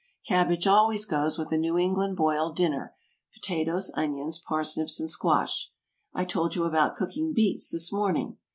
Cabbage always goes with a New England boiled dinner, potatoes, onions, parsnips and squash. I told you about cooking beets this morning.